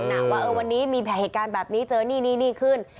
ว่าวันนี้มีเหตุการณ์แบบนี้เจอนี่นี่ขึ้น